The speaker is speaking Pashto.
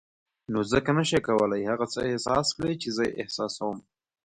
نو ځکه نه شې کولای هغه څه احساس کړې چې زه یې احساسوم.